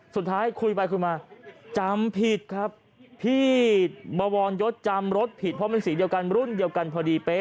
สุดท้ายคุยไปคุยมาจำผิดครับพี่บวรยศจำรถผิดเพราะมันสีเดียวกันรุ่นเดียวกันพอดีเป๊ะ